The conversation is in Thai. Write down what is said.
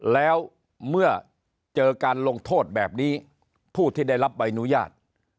แล้วเมื่อเจอการลงโทษแบบนี้ผู้ที่ได้รับใบอนุญาต